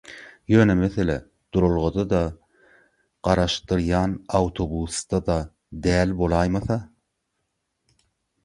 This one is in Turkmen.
Ýöne mesele duralgada-da, garaşdyrýan awtobusda-da däl bolaýmasa.